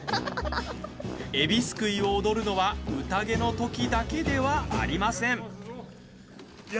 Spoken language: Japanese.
海老すくいを踊るのはうたげの時だけではありません。